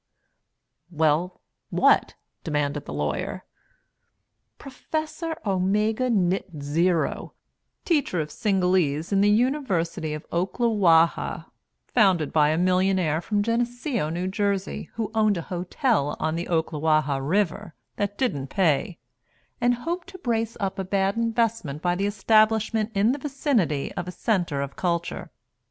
"Well, what?" demanded the Lawyer. "Prof. Omega Nit Zero, teacher of Cingalese in the University of Oklawaha, founded by a millionaire from Geneseo, New Jersey, who owned a hotel on the Oklawaha River that didn't pay, and hoped to brace up a bad investment by the establishment in the vicinity of a centre of culture.